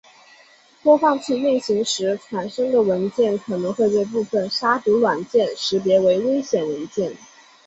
播放器运行时产生的文件可能会被部分杀毒软件识别为危险文件。